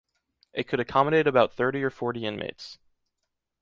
It could accommodate about thirty or forty inmates.